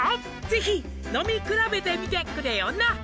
「是非飲み比べてみてくれよな」